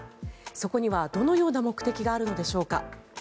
そこには、どのような目的があるのでしょうか。